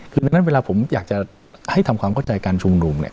คือดังนั้นเวลาผมอยากจะให้ทำความเข้าใจการชุมนุมเนี่ย